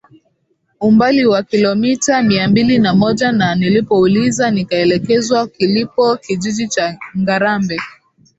umbali wa kilometa mia mbili na moja na nilipouliza nikaelekezwa kilipo Kijiji cha Ngarambe